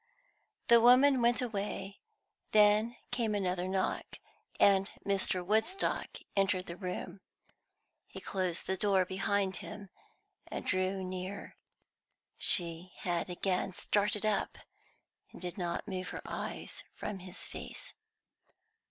The woman went away; then came another knock, and Mr. Woodstock entered the room. He closed the door behind him, and drew near. She had again started up, and did not move her eyes from his face.